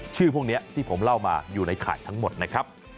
ชื่อพวกนี้ที่ผมเล่ามาอยู่ในข่ายทั้งหมดนะครับ